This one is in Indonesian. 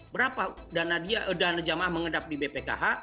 berapa dana jamaah mengedap di bpkh